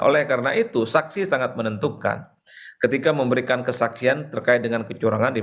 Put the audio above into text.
oleh karena itu saksi sangat menentukan ketika memberikan kesaksian terkait dengan kecurangan